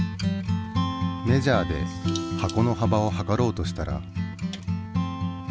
メジャーで箱の幅をはかろうとしたら。